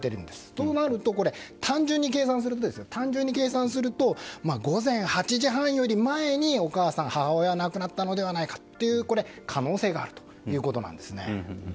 となると、単純に計算すると午前８時半より前にお母さん、母親が亡くなったのではないかという可能性があるということなんです。